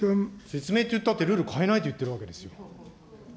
説明っていったって、ルール変えないって言ってるわけですよ。